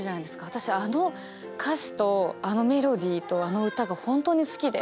私あの歌詞とあのメロディーとあの歌がホントに好きで。